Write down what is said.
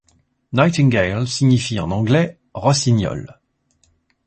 Nightingale signifie en anglais rossignol.